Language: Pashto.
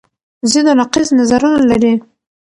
ضد و نقیص نظرونه لري